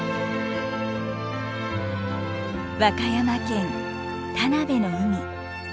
和歌山県田辺の海。